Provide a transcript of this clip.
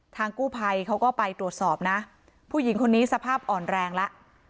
กู้ภัยเขาก็ไปตรวจสอบนะผู้หญิงคนนี้สภาพอ่อนแรงแล้ว